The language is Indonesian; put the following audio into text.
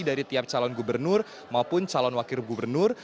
dari tiap calon gubernur maupun calon wakil gubernur